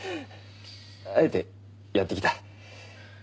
あえてやって来た。